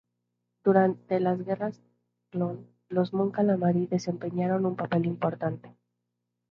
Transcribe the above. Durante las Guerras Clon los "mon calamari" desempeñaron un papel importante.